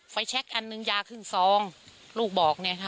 แช็คอันหนึ่งยาครึ่งซองลูกบอกเนี่ยค่ะ